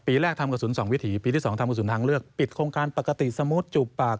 ปีแรกทำกระสุน๒วิถีปีที่๒ทำกระสุนทางเลือกปิดโครงการปกติสมูทจูบปาก